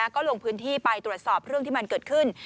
ก็ลงพื้นที่ไปตรวจสอบเรื่องที่มันเกิดขึ้น